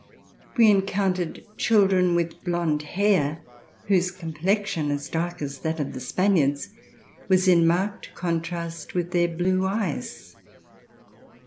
We encountered children with blond hair whose complexion, as dark as that of the Spaniards, was in marked contrast with their blue eyes.